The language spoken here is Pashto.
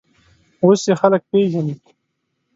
اوس یې خلک پېژني.